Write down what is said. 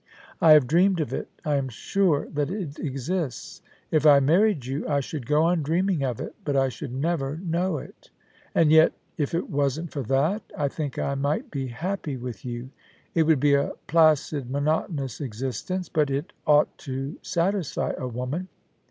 I have dreamed of it ; I am sure that it exists. If I married you I should go on dreaming of it, but I should never know it. And yet, if it wasn't for that, I think I might be happy with you ; it would be a placid, monotonous existence, but it ought to satisfy a woman.